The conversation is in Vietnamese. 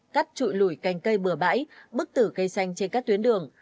cắt trụi lủi cành cây bừa bãi bức tử cây xanh trên các tuyến đường